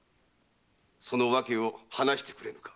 その訳を話してくれぬか。